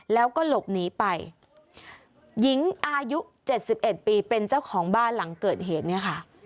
แล้วก็หลบหนีไปหญิงอายุ๗๑ปีเป็นเจ้าของบ้านหลังเกิดเหตุเนี่ยค่ะ